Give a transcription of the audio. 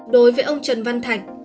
đối với ông trần văn thạch